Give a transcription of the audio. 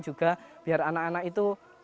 juga biar anak anak itu